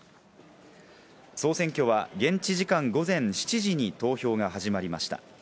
総選挙は現地時間午前７時に投票が始まりました。